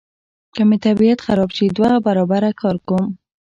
که مې طبیعت خراب شي دوه برابره کار کوم.